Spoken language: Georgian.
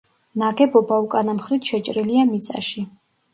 ნაგებობა უკანა მხრით შეჭრილია მიწაში.